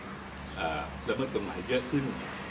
ระเบิดกฎหมายเยอะขึ้น